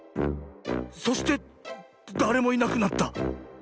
そしてだれもいなくなった。